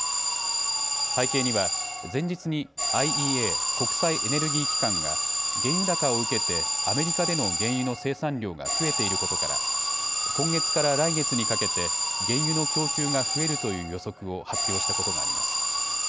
背景には前日にＩＥＡ・国際エネルギー機関が原油高を受けてアメリカでの原油の生産量が増えていることから今月から来月にかけて原油の供給が増えるという予測を発表したことがあります。